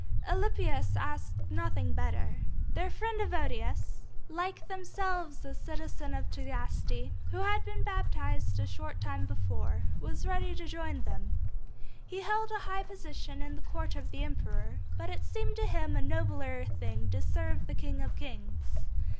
Alypius asked nothing better. Their friend Evodius, like themselves a citizen of Tagaste, who had been baptized a short time before, was ready to join them. He held a high position at the Court of the Emperor, but it seemed to him a nobler thing to serve the King of kings.